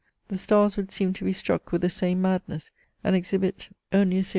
The stars would seem to be struck with the same madness, and exhibit only a series of VOL.